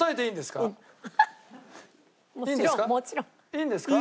いいんですか？